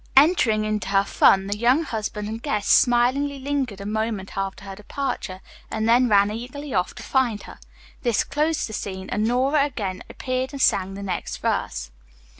Entering into her fun, the young husband and guests smilingly lingered a moment after her departure, and then ran eagerly off to find her. This closed the scene, and Nora again appeared and sang the next verse.